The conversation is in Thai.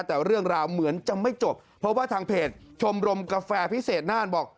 แต่เรื่องราวเหมือนจะไม่จบเพราะว่าทางเพจชมรมกาแฟพิเศษน่านบอก